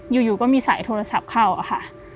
อยู่ก็มีสายโทรศัพท์เข้าอะค่ะ